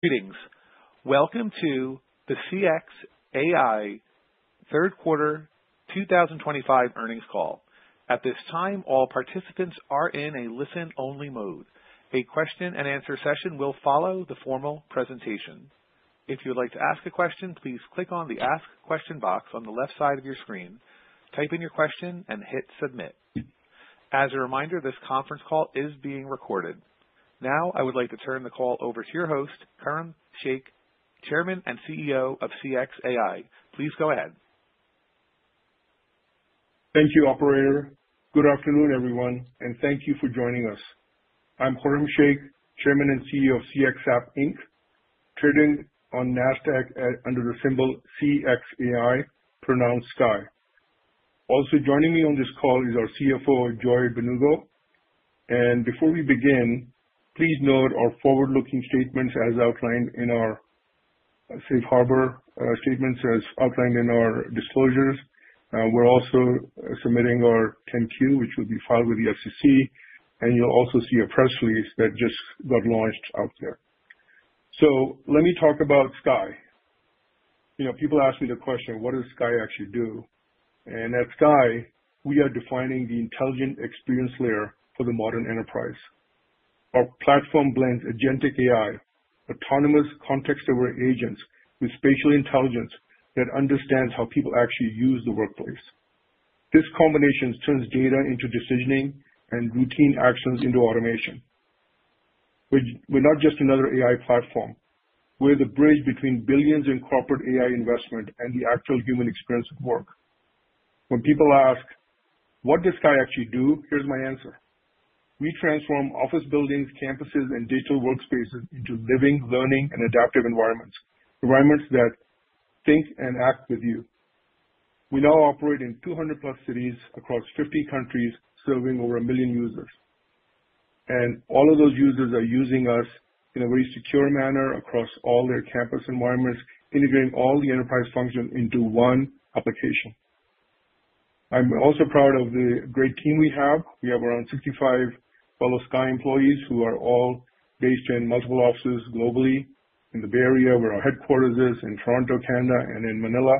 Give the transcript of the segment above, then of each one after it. Greetings. Welcome to the CXAI third quarter 2025 earnings call. At this time, all participants are in a listen-only mode. A question-and-answer session will follow the formal presentation. If you would like to ask a question, please click on the Ask Question box on the left side of your screen, type in your question, and hit Submit. As a reminder, this conference call is being recorded. Now, I would like to turn the call over to your host, Khurram Sheikh, Chairman and CEO of CXAI. Please go ahead. Thank you, Operator. Good afternoon, everyone, and thank you for joining us. I'm Khurram Sheikh, Chairman and CEO of CXApp Inc., trading on NASDAQ under the symbol CXAI, pronounced CXAI. Also joining me on this call is our CFO, Joy Mbanugo, and before we begin, please note our forward-looking statements as outlined in our Safe Harbor statements as outlined in our disclosures. We're also submitting our 10-Q, which will be filed with the SEC, and you'll also see a press release that just got launched out there, so let me talk about CXAI. People ask me the question, "What does CXAI actually do?" At CXAI, we are defining the intelligent experience layer for the modern enterprise. Our platform blends agentic AI, autonomous context-aware agents with spatial intelligence that understands how people actually use the workplace. This combination turns data into decisioning and routine actions into automation. We're not just another AI platform. We're the bridge between billions in corporate AI investment and the actual human experience of work. When people ask, "What does CXAI actually do?" here's my answer. We transform office buildings, campuses, and digital workspaces into living, learning, and adaptive environments, environments that think and act with you. We now operate in 200-plus cities across 50 countries, serving over a million users. And all of those users are using us in a very secure manner across all their campus environments, integrating all the enterprise functions into one application. I'm also proud of the great team we have. We have around 65 fellow CXAI employees who are all based in multiple offices globally in the Bay Area, where our headquarters is, in Toronto, Canada, and in Manila.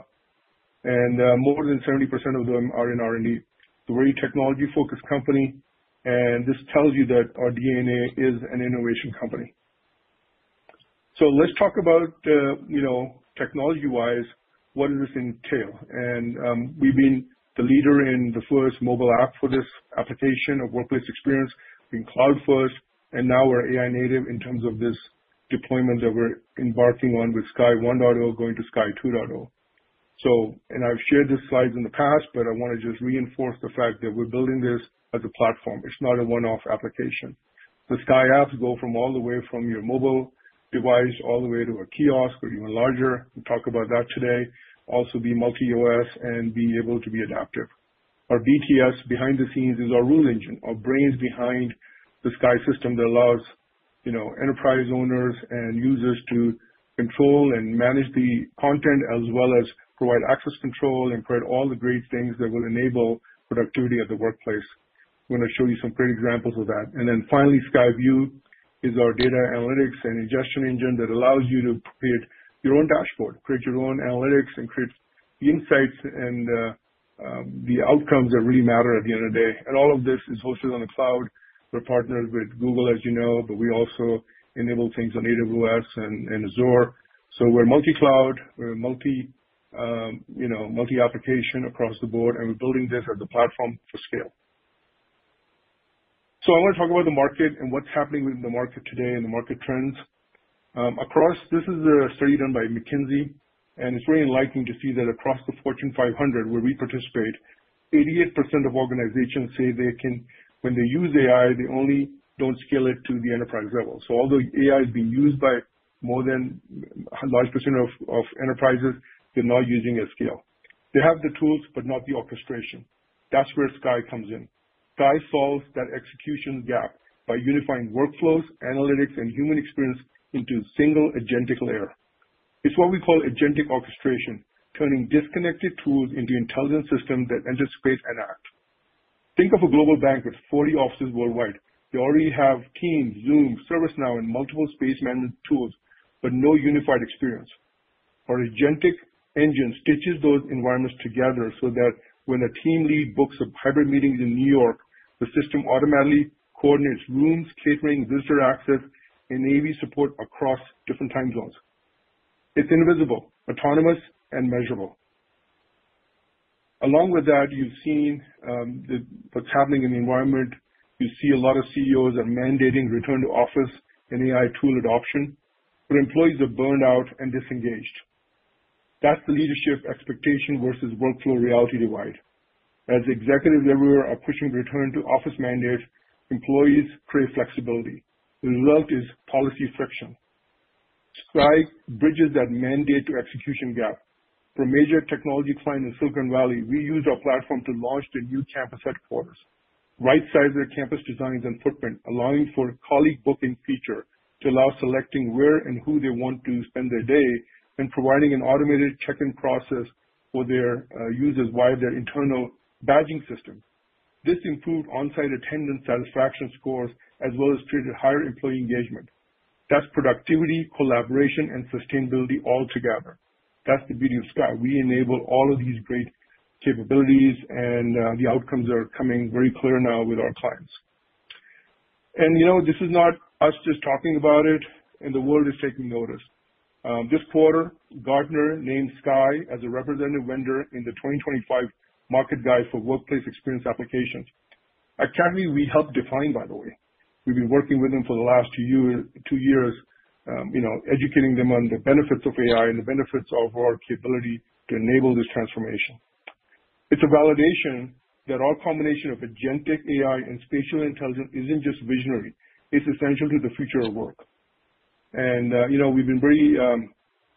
And more than 70% of them are in R&D. It's a very technology-focused company, and this tells you that our DNA is an innovation company. So let's talk about, technology-wise, what does this entail? And we've been the leader in the first mobile app for this application of workplace experience. We've been cloud-first, and now we're AI-native in terms of this deployment that we're embarking on with CXAI 1.0 going to CXAI 2.0. And I've shared these slides in the past, but I want to just reinforce the fact that we're building this as a platform. It's not a one-off application. The CXAI apps go all the way from your mobile device all the way to a kiosk or even larger. We'll talk about that today. Also, be multi-OS and be able to be adaptive. Our BTS behind the scenes is our rule engine, our brains behind the CXAI system that allows enterprise owners and users to control and manage the content as well as provide access control and create all the great things that will enable productivity at the workplace. I'm going to show you some great examples of that, and then finally, CXAI View is our data analytics and ingestion engine that allows you to create your own dashboard, create your own analytics, and create insights and the outcomes that really matter at the end of the day, and all of this is hosted on the cloud. We're partnered with Google, as you know, but we also enable things on AWS and Azure, so we're multi-cloud, we're multi-application across the board, and we're building this as a platform for scale. I want to talk about the market and what's happening within the market today and the market trends. This is a study done by McKinsey, and it's very enlightening to see that across the Fortune 500, where we participate, 88% of organizations say when they use AI, they only don't scale it to the enterprise level. Although AI is being used by more than a large percentage of enterprises, they're not using it at scale. They have the tools, but not the orchestration. That's where CXAI comes in. CXAI solves that execution gap by unifying workflows, analytics, and human experience into a single agentic layer. It's what we call agentic orchestration, turning disconnected tools into intelligent systems that anticipate and act. Think of a global bank with 40 offices worldwide. They already have Teams, Zoom, ServiceNow, and multiple space management tools, but no unified experience. Our agentic engine stitches those environments together so that when a team lead books a hybrid meeting in New York, the system automatically coordinates rooms, catering, visitor access, and AV support across different time zones. It's invisible, autonomous, and measurable. Along with that, you've seen what's happening in the environment. You see a lot of CEOs are mandating return to office and AI tool adoption, but employees are burned out and disengaged. That's the leadership expectation versus workflow reality divide. As executives everywhere are pushing return to office mandates, employees crave flexibility. The result is policy friction. CXAI bridges that mandate to execution gap. For a major technology client in Silicon Valley, we used our platform to launch the new campus headquarters, right-size their campus designs and footprint, allowing for a colleague booking feature to allow selecting where and who they want to spend their day and providing an automated check-in process for their users via their internal badging system. This improved on-site attendance satisfaction scores as well as created higher employee engagement. That's productivity, collaboration, and sustainability altogether. That's the beauty of CXAI. We enable all of these great capabilities, and the outcomes are coming very clear now with our clients. And this is not us just talking about it. And the world is taking notice. This quarter, Gartner named CXAI as a representative vendor in the 2025 market guide for workplace experience applications. A category we helped define, by the way. We've been working with them for the last two years, educating them on the benefits of AI and the benefits of our capability to enable this transformation. It's a validation that our combination of agentic AI and spatial intelligence isn't just visionary. It's essential to the future of work, and we've been very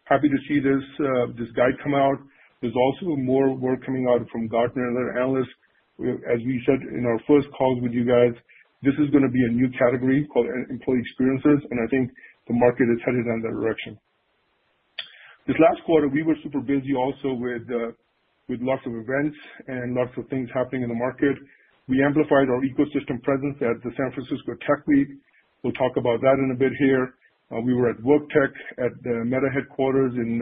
happy to see this guide come out. There's also more work coming out from Gartner and other analysts. As we said in our first calls with you guys, this is going to be a new category called employee experiences, and I think the market is headed in that direction. This last quarter, we were super busy also with lots of events and lots of things happening in the market. We amplified our ecosystem presence at the San Francisco Tech Week. We'll talk about that in a bit here. We were at Worktech at the Meta headquarters in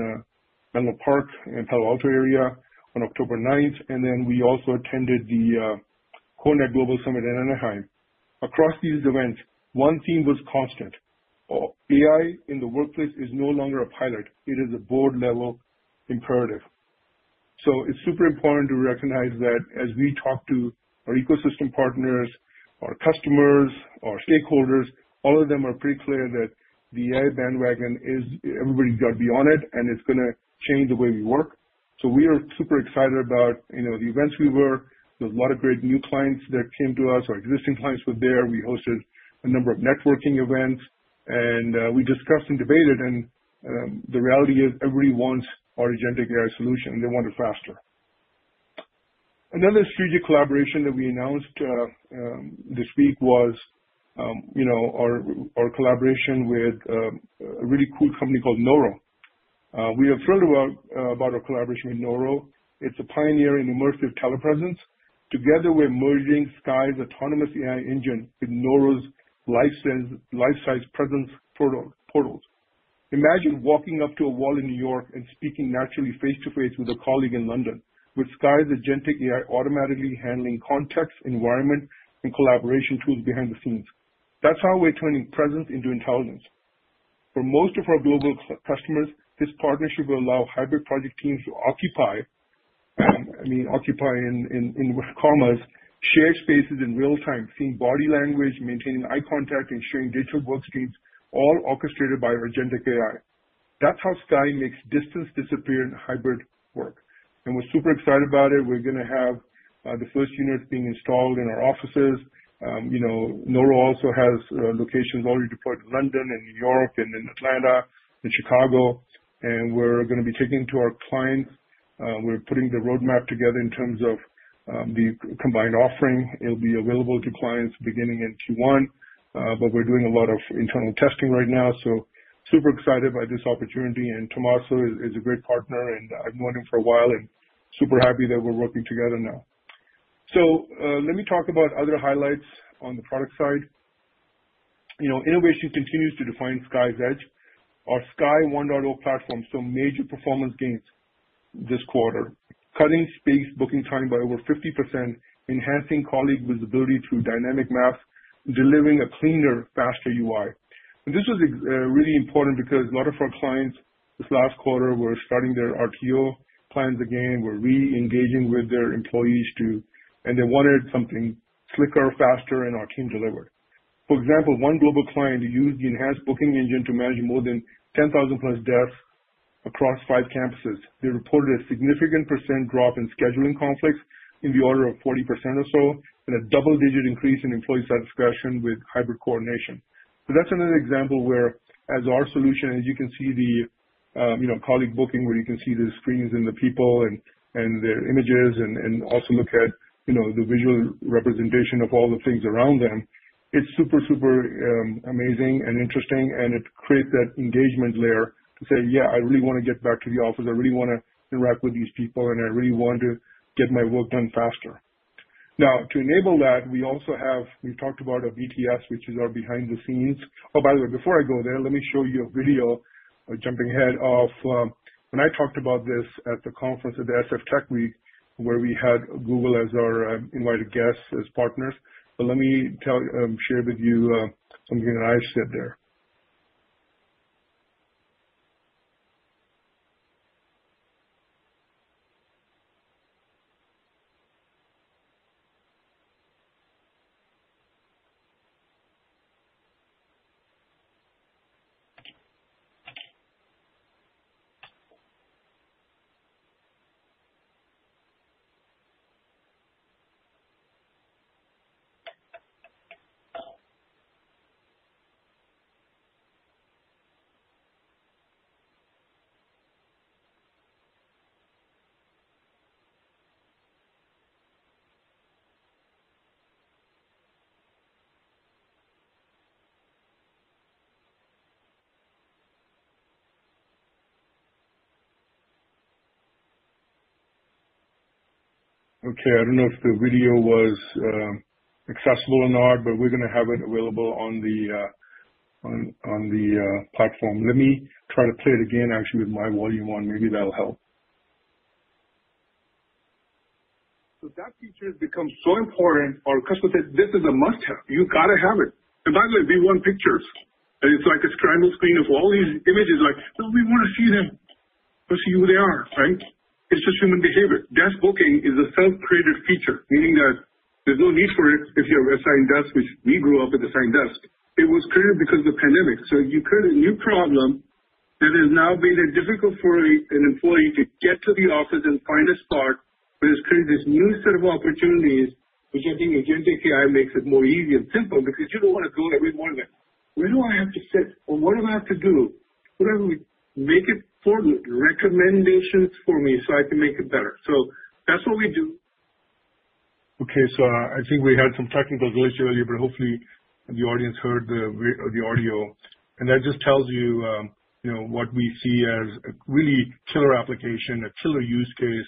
Menlo Park and Palo Alto area on October 9th, and then we also attended the CoreNet Global Summit in Anaheim. Across these events, one theme was constant. AI in the workplace is no longer a pilot. It is a board-level imperative. So it's super important to recognize that as we talk to our ecosystem partners, our customers, our stakeholders, all of them are pretty clear that the AI bandwagon is everybody's got to be on it, and it's going to change the way we work. So we are super excited about the events we were. There were a lot of great new clients that came to us. Our existing clients were there. We hosted a number of networking events, and we discussed and debated, and the reality is everybody wants our Agentic AI solution, and they want it faster. Another strategic collaboration that we announced this week was our collaboration with a really cool company called Noro. We are thrilled about our collaboration with Noro. It's a pioneer in immersive telepresence. Together, we're merging CXAI's autonomous AI engine with Noro's life-size presence portals. Imagine walking up to a wall in New York and speaking naturally face-to-face with a colleague in London, with CXAI's agentic AI automatically handling context, environment, and collaboration tools behind the scenes. That's how we're turning presence into intelligence. For most of our global customers, this partnership will allow hybrid project teams to occupy, I mean, co-occupy in common shared spaces in real time, seeing body language, maintaining eye contact, and sharing digital work streams, all orchestrated by our agentic AI. That's how CXAI makes distance disappear in hybrid work. And we're super excited about it. We're going to have the first units being installed in our offices. Noro also has locations already deployed in London, and New York, and in Atlanta, and Chicago. And we're going to be taking to our clients. We're putting the roadmap together in terms of the combined offering. It'll be available to clients beginning in Q1, but we're doing a lot of internal testing right now. So super excited by this opportunity, and Tommaso is a great partner, and I've known him for a while and super happy that we're working together now. So let me talk about other highlights on the product side. Innovation continues to define CXAI's edge. Our CXAI 1.0 platform saw major performance gains this quarter, cutting space booking time by over 50%, enhancing colleague visibility through dynamic maps, delivering a cleaner, faster UI. This was really important because a lot of our clients this last quarter were starting their RTO plans again, were re-engaging with their employees, and they wanted something slicker, faster, and our team delivered. For example, one global client used the enhanced booking engine to manage more than 10,000-plus dates across five campuses. They reported a significant % drop in scheduling conflicts in the order of 40% or so, and a double-digit increase in employee satisfaction with hybrid coordination. That's another example where, as our solution, as you can see the colleague booking, where you can see the screens and the people and their images and also look at the visual representation of all the things around them, it's super, super amazing and interesting, and it creates that engagement layer to say, "Yeah, I really want to get back to the office. I really want to interact with these people, and I really want to get my work done faster." Now, to enable that, we also have. We've talked about our BTS, which is our behind-the-scenes. Oh, by the way, before I go there, let me show you a video. I'm jumping ahead of when I talked about this at the conference at the SF Tech Week, where we had Google as our invited guests as partners. But let me share with you something that I said there. Okay. I don't know if the video was accessible or not, but we're going to have it available on the platform. Let me try to play it again, actually, with my volume on. Maybe that'll help. So that feature has become so important. Our customers say, "This is a must-have. You've got to have it." And by the way, V1 Pictures, it's like a scramble screen of all these images. Like, "We want to see them. We want to see who they are," right? It's just human behavior. Desk booking is a self-created feature, meaning that there's no need for it if you're assigned desks. We grew up with assigned desks. It was created because of the pandemic. So you created a new problem that has now made it difficult for an employee to get to the office and find a spot, but it's created this new set of opportunities, which I think Agentic AI makes it more easy and simple because you don't want to go every morning like, "Where do I have to sit? Or what do I have to do?" Whatever. Make it recommendations for me so I can make it better. So that's what we do. Okay. So I think we had some technical glitch earlier, but hopefully, the audience heard the audio and that just tells you what we see as a really killer application, a killer use case,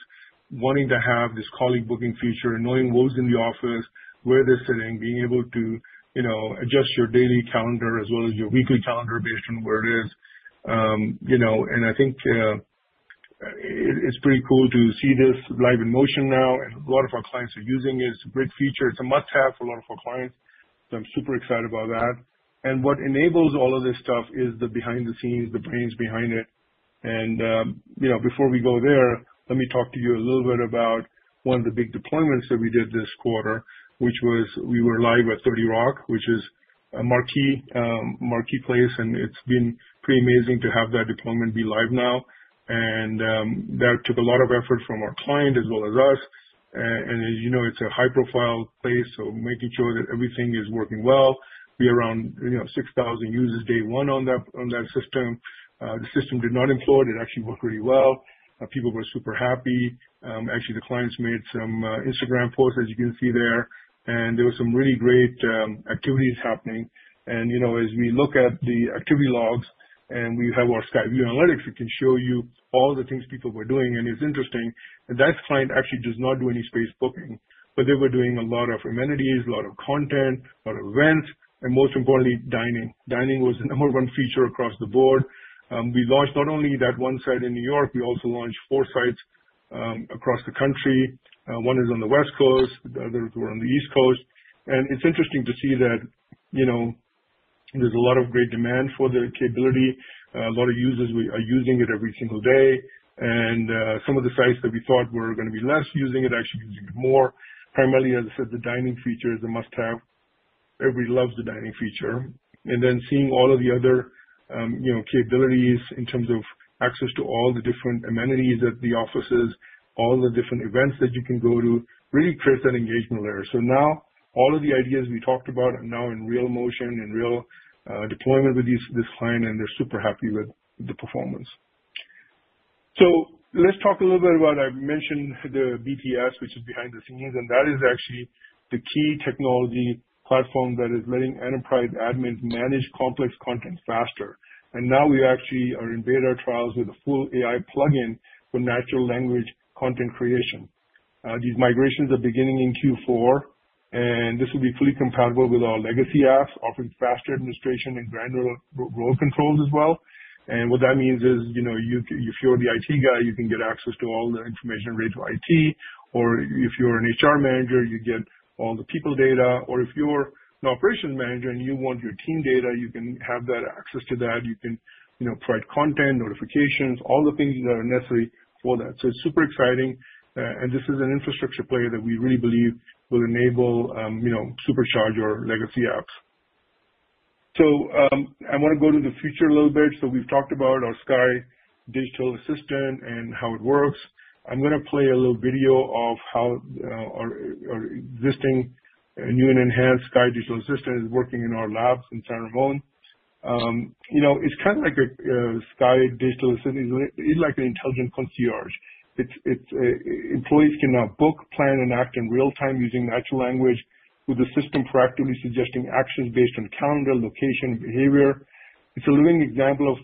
wanting to have this colleague booking feature, knowing what's in the office, where they're sitting, being able to adjust your daily calendar as well as your weekly calendar based on where it is, and I think it's pretty cool to see this live in motion now, and a lot of our clients are using it. It's a great feature. It's a must-have for a lot of our clients, so I'm super excited about that, and what enables all of this stuff is the behind-the-scenes, the brains behind it. Before we go there, let me talk to you a little bit about one of the big deployments that we did this quarter, which was we were live at 30 Rock, which is a marquee place, and it's been pretty amazing to have that deployment be live now. That took a lot of effort from our client as well as us. As you know, it's a high-profile place, so making sure that everything is working well. We had around 6,000 users day one on that system. The system did not implode. It actually worked really well. People were super happy. Actually, the clients made some Instagram posts, as you can see there, and there were some really great activities happening. As we look at the activity logs and we have our CXAIView analytics, it can show you all the things people were doing, and it's interesting. And that client actually does not do any space booking, but they were doing a lot of amenities, a lot of content, a lot of events, and most importantly, dining. Dining was the number one feature across the board. We launched not only that one site in New York. We also launched four sites across the country. One is on the West Coast. The others were on the East Coast. And it's interesting to see that there's a lot of great demand for the capability. A lot of users are using it every single day. And some of the sites that we thought were going to be less using it are actually using it more. Primarily, as I said, the dining feature is a must-have. Everybody loves the dining feature. And then seeing all of the other capabilities in terms of access to all the different amenities at the offices, all the different events that you can go to, really creates that engagement layer. So now all of the ideas we talked about are now in real motion, in real deployment with this client, and they're super happy with the performance. So let's talk a little bit about I mentioned the BTS, which is behind the scenes, and that is actually the key technology platform that is letting enterprise admins manage complex content faster. And now we actually are in beta trials with a full AI plugin for natural language content creation. These migrations are beginning in Q4, and this will be fully compatible with our legacy apps, offering faster administration and granular role controls as well. And what that means is if you're the IT guy, you can get access to all the information related to IT, or if you're an HR manager, you get all the people data, or if you're an operations manager and you want your team data, you can have that access to that. You can provide content, notifications, all the things that are necessary for that. So it's super exciting. And this is an infrastructure player that we really believe will enable supercharge our legacy apps. So I want to go to the future a little bit. So we've talked about our CXAI Digital Assistant and how it works. I'm going to play a little video of how our existing new and enhanced CXAI Digital Assistant is working in our labs in San Ramon. It's kind of like a CXAI Digital Assistant. It's like an intelligent concierge. Employees can now book, plan, and act in real time using natural language, with the system proactively suggesting actions based on calendar, location, and behavior. It's a living example of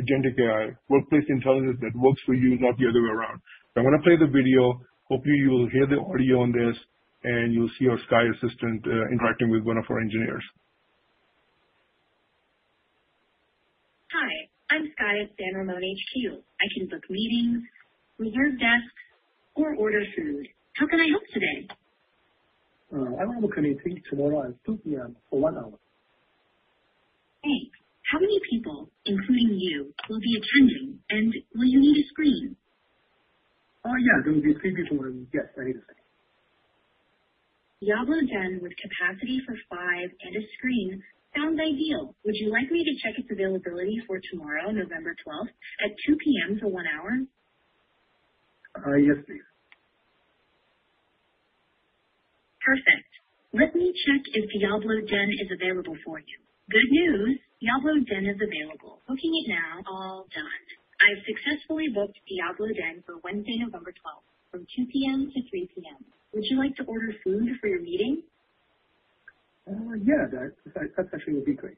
agentic AI, workplace intelligence that works for you, not the other way around. So I'm going to play the video. Hopefully, you will hear the audio on this, and you'll see our CXAI assistant interacting with one of our engineers. Hi. I'm CXAI of San Ramon. Hi, Hughes. I can book meetings, reserve desks, or order food. How can I help today? I want to book a meeting tomorrow at 2:00 P.M. for one hour. Thanks. How many people, including you, will be attending, and will you need a screen? Oh, yeah. There will be three people. Yes, I need a screen. Yellow again with capacity for five and a screen sounds ideal. Would you like me to check its availability for tomorrow, November 12th, at 2:00 P.M. for one hour? Yes, please. Perfect. Let me check if Diablo Den is available for you. Good news. Diablo Den is available. Booking it now. All done. I've successfully booked Diablo Den for Wednesday, November 12th, from 2:00 P.M. to 3:00 P.M. Would you like to order food for your meeting? Yeah. That actually would be great.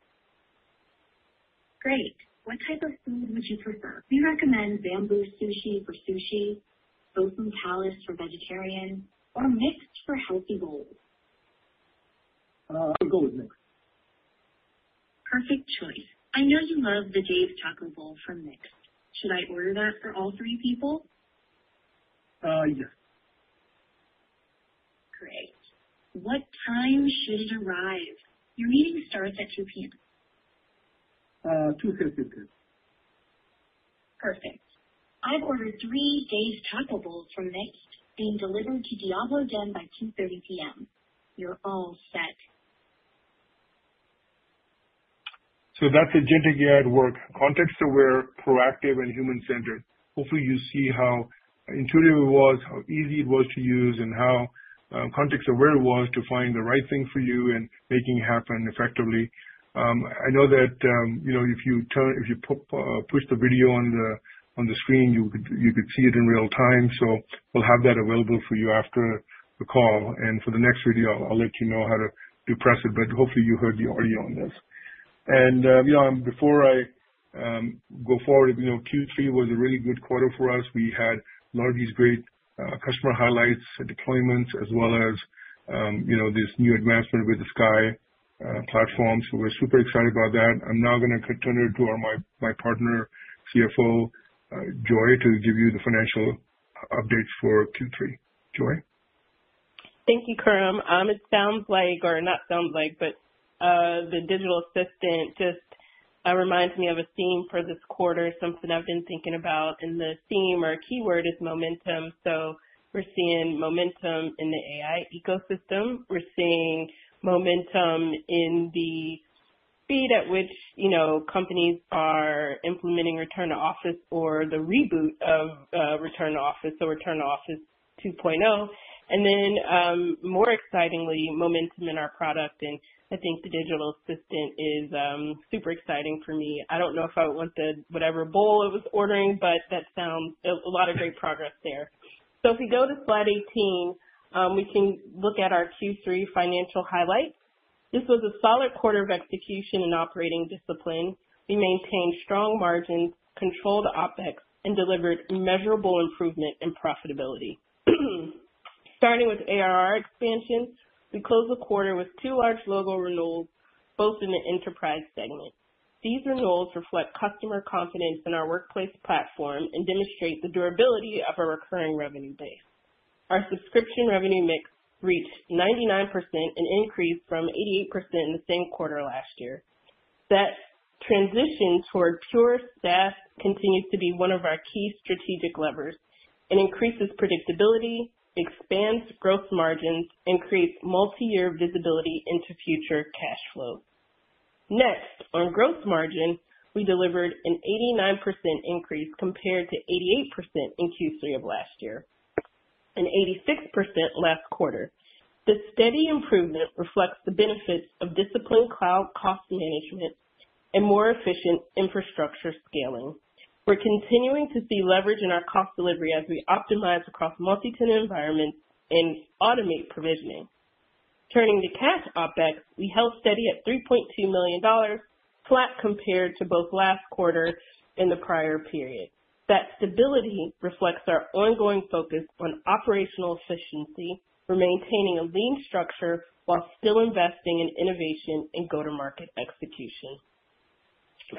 Great. What type of food would you prefer? We recommend Bamboo Sushi for sushi, golden callous for vegetarian, or Mixt for healthy bowls. I'll go with Mixt. Perfect choice. I know you love the Dave Taco Bowl for Mixt. Should I order that for all three people? Yes. Great. What time should it arrive? Your meeting starts at 2:00 P.M. 2:30. Perfect. I've ordered three Dave Taco Bowls for Mixt, being delivered to Diablo Den by 2:30 P.M. You're all set, So that's Agentic AI at work. Context-aware, proactive, and human-centered. Hopefully, you see how intuitive it was, how easy it was to use, and how context-aware it was to find the right thing for you and making it happen effectively. I know that if you push the video on the screen, you could see it in real time, so we'll have that available for you after the call. And for the next video, I'll let you know how to do press it, but hopefully, you heard the audio on this. And before I go forward, Q3 was a really good quarter for us. We had a lot of these great customer highlights and deployments, as well as this new advancement with the CXAI platform, so we're super excited about that. I'm now going to turn it to my partner, CFO Joy, to give you the financial updates for Q3. Joy? Thank you, Khurram. It sounds like, or not sounds like, but the digital assistant just reminds me of a theme for this quarter, something I've been thinking about. And the theme or keyword is momentum. So we're seeing momentum in the AI ecosystem. We're seeing momentum in the speed at which companies are implementing return to office or the reboot of return to office, so return to office 2.0. And then, more excitingly, momentum in our product. And I think the digital assistant is super exciting for me. I don't know if I want the whatever bowl I was ordering, but that sounds a lot of great progress there. So if we go to slide 18, we can look at our Q3 financial highlights. This was a solid quarter of execution and operating discipline. We maintained strong margins, controlled OpEx, and delivered measurable improvement in profitability. Starting with ARR expansion, we closed the quarter with two large logo renewals, both in the enterprise segment. These renewals reflect customer confidence in our workplace platform and demonstrate the durability of our recurring revenue base. Our subscription revenue mix reached 99% and increased from 88% in the same quarter last year. That transition toward pure SaaS continues to be one of our key strategic levers. It increases predictability, expands gross margins, and creates multi-year visibility into future cash flows. Next, on gross margin, we delivered 89%, an increase compared to 88% in Q3 of last year and 86% last quarter. The steady improvement reflects the benefits of disciplined cloud cost management and more efficient infrastructure scaling. We're continuing to see leverage in our cost delivery as we optimize across multi-tenant environments and automate provisioning. Turning to cash OpEx, we held steady at $3.2 million, flat compared to both last quarter and the prior period. That stability reflects our ongoing focus on operational efficiency for maintaining a lean structure while still investing in innovation and go-to-market execution.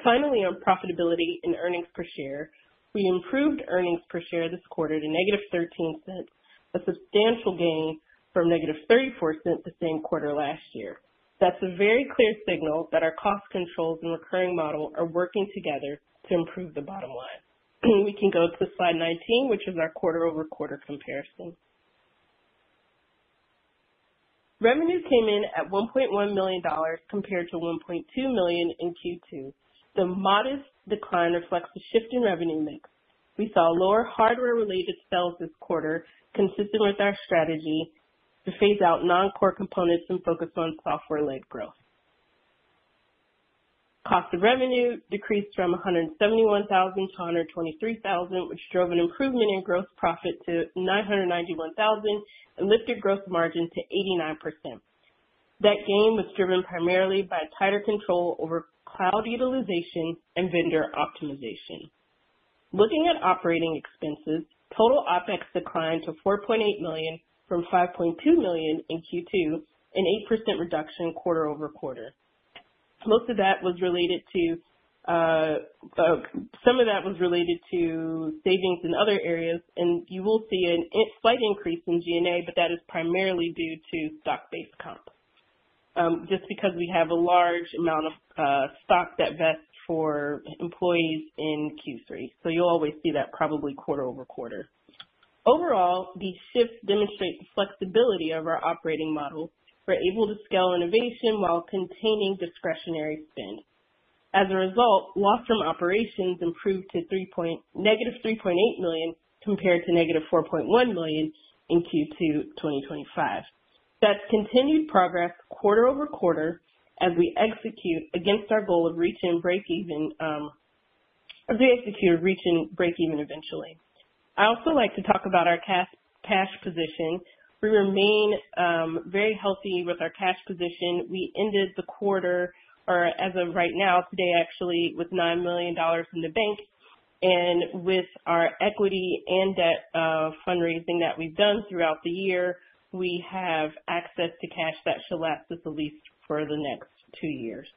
Finally, on profitability and earnings per share, we improved earnings per share this quarter to -$0.13, a substantial gain from -$0.34 the same quarter last year. That's a very clear signal that our cost controls and recurring model are working together to improve the bottom line. We can go to slide 19, which is our quarter-over-quarter comparison. Revenue came in at $1.1 million compared to $1.2 million in Q2. The modest decline reflects a shift in revenue mix. We saw lower hardware-related sales this quarter, consistent with our strategy to phase out non-core components and focus on software-led growth. Cost of revenue decreased from $171,000 to $123,000, which drove an improvement in gross profit to $991,000 and lifted gross margin to 89%. That gain was driven primarily by tighter control over cloud utilization and vendor optimization. Looking at operating expenses, total OpEx declined to $4.8 million from $5.2 million in Q2, an 8% reduction quarter-over-quarter. Most of that was related to savings in other areas, and you will see a slight increase in G&A, but that is primarily due to stock-based comp just because we have a large amount of stock that vests for employees in Q3. So you'll always see that probably quarter-over-quarter. Overall, these shifts demonstrate the flexibility of our operating model. We're able to scale innovation while containing discretionary spend. As a result, loss from operations improved to negative $3.8 million compared to negative $4.1 million in Q2 2025. That's continued progress quarter-over-quarter as we execute against our goal of reaching break-even eventually. I also like to talk about our cash position. We remain very healthy with our cash position. We ended the quarter, or as of right now, today actually, with $9 million in the bank, and with our equity and debt fundraising that we've done throughout the year, we have access to cash that should last us at least for the next two years.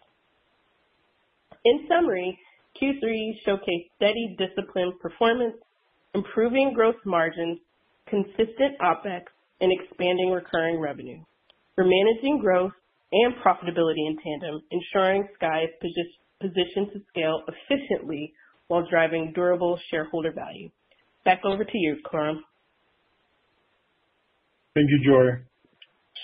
In summary, Q3 showcased steady discipline performance, improving gross margins, consistent OpEx, and expanding recurring revenue. We're managing growth and profitability in tandem, ensuring CXAI's position to scale efficiently while driving durable shareholder value. Back over to you, Khurram. Thank you, Joy.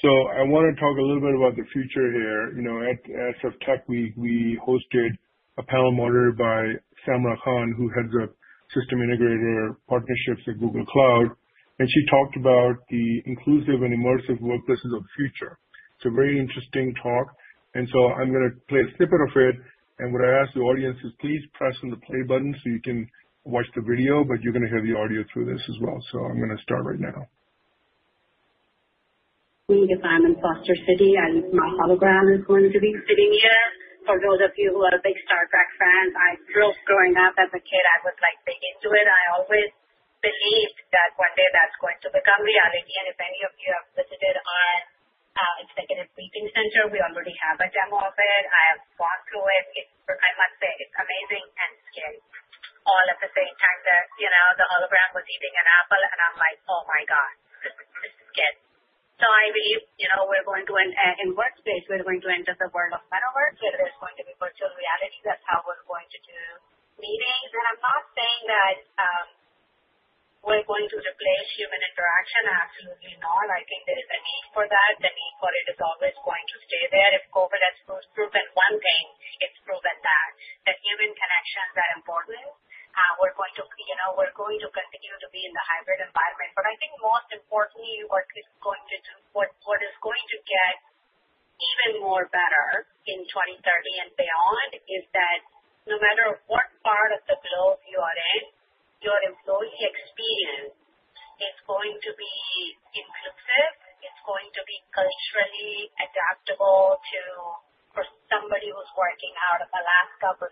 So I want to talk a little bit about the future here. At WORKTECH, we hosted a panel moderated by Samrah Khan, who heads up system integrator partnerships at Google Cloud. And she talked about the inclusive and immersive workplaces of the future. It's a very interesting talk. And so I'm going to play a snippet of it. And what I ask the audience is please press on the play button so you can watch the video, but you're going to hear the audio through this as well. So I'm going to start right now. I'm in Foster City. My hologram is going to be sitting here. For those of you who are big Star Trek fans, I grew up as a kid. I was like big into it. I always believed that one day that's going to become reality. If any of you have visited our executive briefing center, we already have a demo of it. I have walked through it. I must say it's amazing and scary all at the same time that the hologram was eating an apple, and I'm like, "Oh my God, this is scary." I believe we're going to, in workspace, we're going to enter the world of metaverse where there's going to be virtual reality. That's how we're going to do meetings. I'm not saying that we're going to replace human interaction. Absolutely not. I think there is a need for that. The need for it is always going to stay there. If COVID has proven one thing, it's proven that human connections are important. We're going to continue to be in the hybrid environment. But I think most importantly, what is going to get even more better in 2030 and beyond is that no matter what part of the globe you are in, your employee experience is going to be inclusive. It's going to be culturally adaptable to somebody who's working out of Alaska versus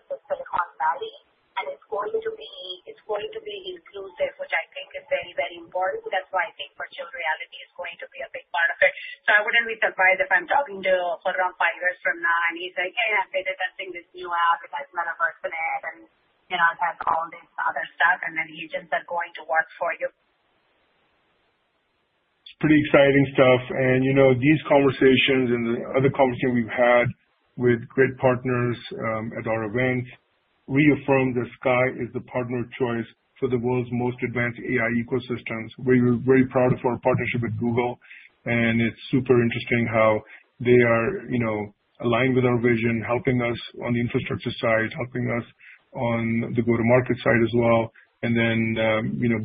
Silicon Valley. And it's going to be inclusive, which I think is very, very important. That's why I think virtual reality is going to be a big part of it. So I wouldn't be surprised if I'm talking to Khurram five years from now, and he's like, "Hey, I'm beta testing this new app. It has metaverse in it, and it has all this other stuff." And then he just said, "Going to work for you." It's pretty exciting stuff. These conversations and the other conversations we've had with great partners at our events reaffirm that CXAI is the partner choice for the world's most advanced AI ecosystems. We're very proud of our partnership with Google. And it's super interesting how they are aligned with our vision, helping us on the infrastructure side, helping us on the go-to-market side as well, and then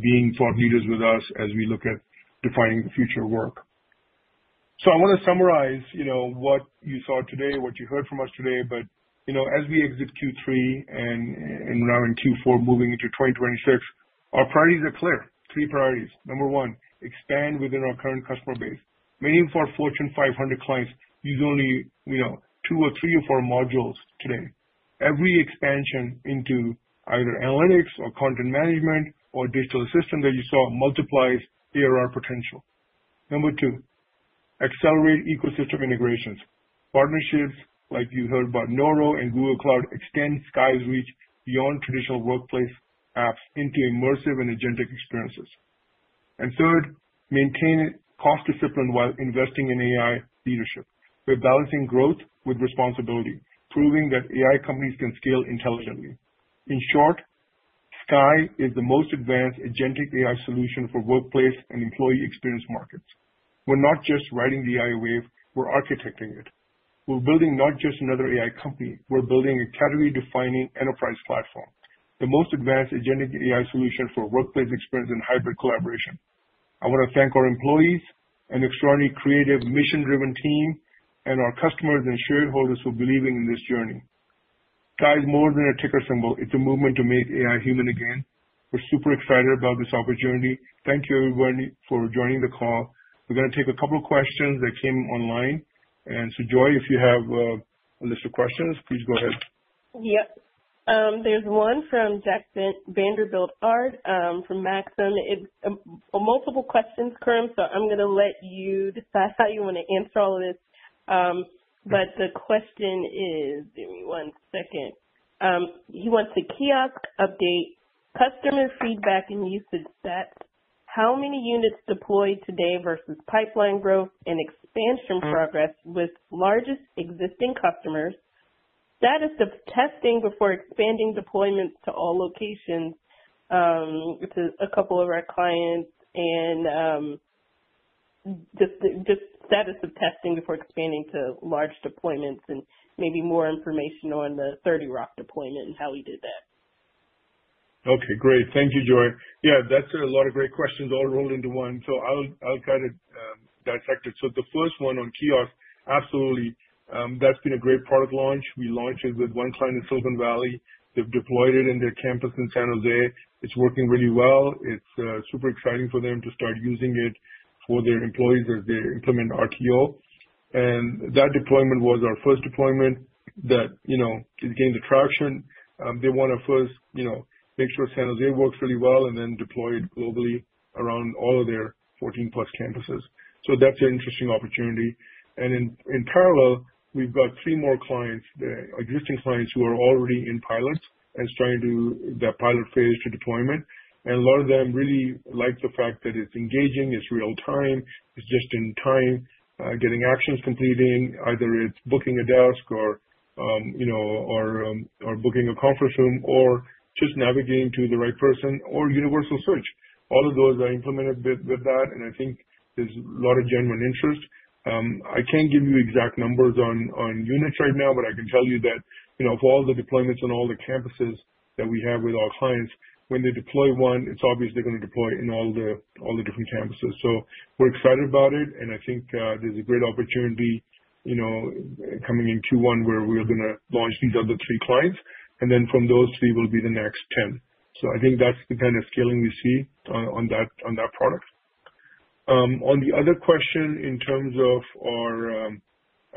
being thought leaders with us as we look at defining the future of work. So I want to summarize what you saw today, what you heard from us today. But as we exit Q3 and now in Q4 moving into 2026, our priorities are clear. Three priorities. Number one, expand within our current customer base. Many of our Fortune 500 clients use only two or three or four modules today. Every expansion into either analytics or content management or digital assistant that you saw multiplies ARR potential. Number two, accelerate ecosystem integrations. Partnerships like you heard about Noro and Google Cloud extend CXAI's reach beyond traditional workplace apps into immersive and agentic experiences. And third, maintain cost discipline while investing in AI leadership. We're balancing growth with responsibility, proving that AI companies can scale intelligently. In short, CXAI is the most advanced agentic AI solution for workplace and employee experience markets. We're not just riding the AI wave. We're architecting it. We're building not just another AI company. We're building a category-defining enterprise platform, the most advanced agentic AI solution for workplace experience and hybrid collaboration. I want to thank our employees, an extraordinarily creative, mission-driven team, and our customers and shareholders for believing in this journey. CXAI is more than a ticker symbol. It's a movement to make AI human again. We're super excited about this opportunity. Thank you, everybody, for joining the call. We're going to take a couple of questions that came online. And so, Joy, if you have a list of questions, please go ahead. Yep. There's one from Jack Vander Aarde from Maxim Group. Multiple questions, Khurram. So I'm going to let you decide how you want to answer all of this. But the question is, give me one second. He wants the kiosk update, customer feedback, and usage stats. How many units deployed today versus pipeline growth and expansion progress with largest existing customers? Status of testing before expanding deployments to all locations to a couple of our clients and just status of testing before expanding to large deployments and maybe more information on the 30 Rock deployment and how we did that. Okay. Great. Thank you, Joy. Yeah, that's a lot of great questions all rolled into one. So I'll try to dissect it. So the first one on kiosk, absolutely. That's been a great product launch. We launched it with one client in Silicon Valley. They've deployed it in their campus in San Jose. It's working really well. It's super exciting for them to start using it for their employees as they implement RTO. And that deployment was our first deployment that gained attraction. They want to first make sure San Jose works really well and then deploy it globally around all of their 14-plus campuses. So that's an interesting opportunity. And in parallel, we've got three more clients, existing clients who are already in pilots and that pilot phase to deployment. And a lot of them really like the fact that it's engaging, it's real-time, it's just in time getting actions completed, either it's booking a desk or booking a conference room or just navigating to the right person or universal search. All of those are implemented with that. And I think there's a lot of genuine interest. I can't give you exact numbers on units right now, but I can tell you that for all the deployments on all the campuses that we have with our clients, when they deploy one, it's obvious they're going to deploy in all the different campuses. So we're excited about it. And I think there's a great opportunity coming in Q1 where we're going to launch these other three clients. And then from those three will be the next 10. So I think that's the kind of scaling we see on that product. On the other question in terms of our,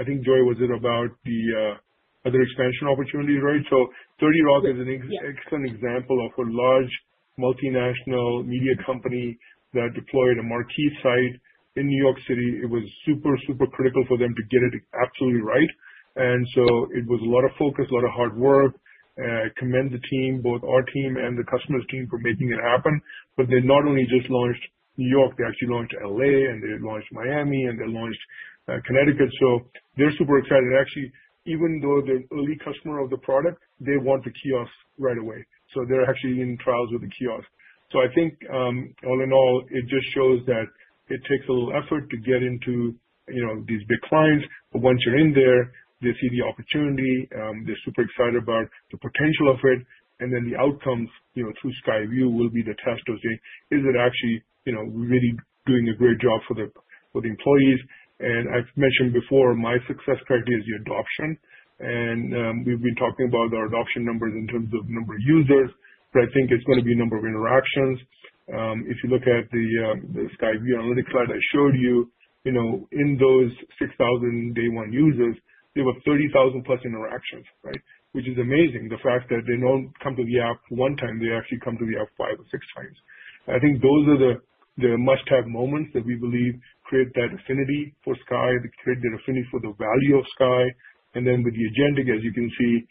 I think, Joy, was it about the other expansion opportunities, right? So 30 Rock is an excellent example of a large multinational media company that deployed a marquee site in New York City. It was super, super critical for them to get it absolutely right. And so it was a lot of focus, a lot of hard work. I commend the team, both our team and the customer's team for making it happen. But they not only just launched New York, they actually launched LA and they launched Miami and they launched Connecticut. So they're super excited. Actually, even though they're early customers of the product, they want the kiosk right away. So they're actually in trials with the kiosk. So I think all in all, it just shows that it takes a little effort to get into these big clients. But once you're in there, they see the opportunity. They're super excited about the potential of it. And then the outcomes through CXAIView will be the test of saying, "Is it actually really doing a great job for the employees?" And I've mentioned before, my success criteria is the adoption. And we've been talking about our adoption numbers in terms of number of users. But I think it's going to be number of interactions. If you look at the CXAIView analytics slide I showed you, in those 6,000 day-one users, they were 30,000-plus interactions, right? Which is amazing. The fact that they don't come to the app one time, they actually come to the app five or six times. I think those are the must-have moments that we believe create that affinity for CXAI, create that affinity for the value of CXAI. And then with the agentic, as you can see,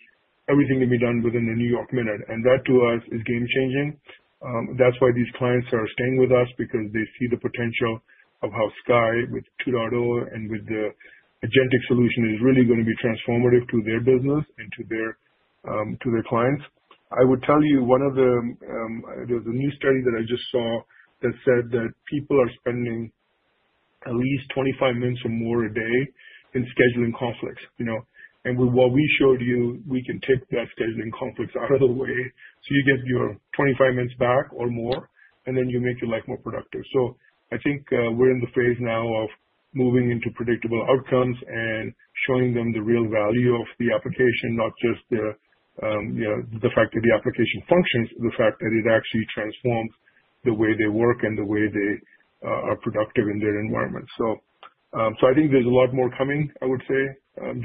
everything can be done within a New York minute. And that to us is game-changing. That's why these clients are staying with us because they see the potential of how CXAI 2.0 and with the agentic solution is really going to be transformative to their business and to their clients. I would tell you there was a new study that I just saw that said that people are spending at least 25 minutes or more a day in scheduling conflicts. And what we showed you, we can take that scheduling conflicts out of the way. So you get your 25 minutes back or more, and then you make your life more productive. So I think we're in the phase now of moving into predictable outcomes and showing them the real value of the application, not just the fact that the application functions, the fact that it actually transforms the way they work and the way they are productive in their environment. So I think there's a lot more coming, I would say,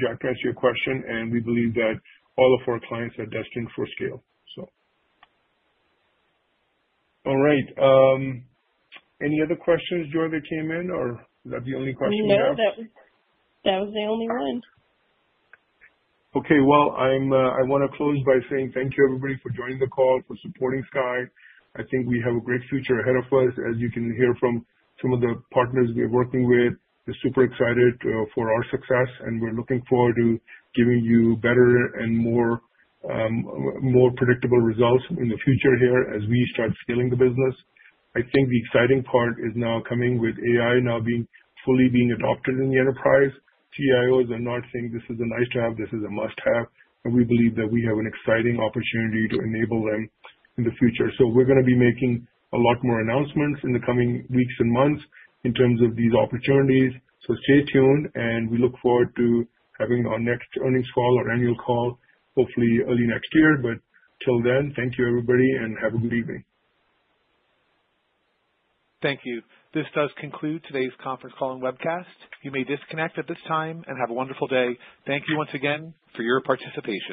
Jack, to answer your question. And we believe that all of our clients are destined for scale, so. All right. Any other questions, Joy, that came in, or is that the only question we have? No, that was the only one. Okay. Well, I want to close by saying thank you, everybody, for joining the call, for supporting CXAI. I think we have a great future ahead of us, as you can hear from some of the partners we're working with. We're super excited for our success, and we're looking forward to giving you better and more predictable results in the future here as we start scaling the business. I think the exciting part is now coming with AI now fully being adopted in the enterprise. CIOs are not saying, "This is a nice to have. This is a must-have," and we believe that we have an exciting opportunity to enable them in the future, so we're going to be making a lot more announcements in the coming weeks and months in terms of these opportunities, so stay tuned, and we look forward to having our next earnings call or annual call, hopefully early next year, but until then, thank you, everybody, and have a good evening. Thank you. This does conclude today's conference call and webcast. You may disconnect at this time and have a wonderful day. Thank you once again for your participation.